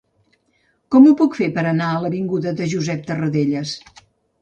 Com ho puc fer per anar a l'avinguda de Josep Tarradellas?